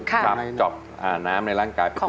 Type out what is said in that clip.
ครับเจาะอาหารน้ำในร่างกายพี่ตัว